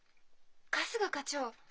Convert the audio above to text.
春日課長。